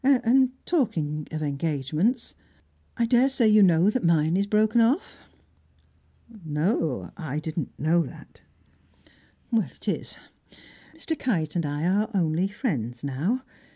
And talking of engagements I daresay you know that mine is broken off?" "No, I didn't know that." "It is. Mr. Kite and I are only friends now.